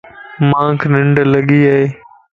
مانک ننڊ لڳي ائي